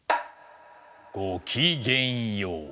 ごきげんよう。